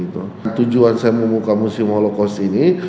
tujuan saya membuka museum holocos ini